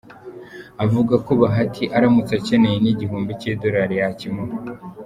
Avuga ko Bahati aramutse akeneye n’ igihumbi cy’ idorari yakimuha.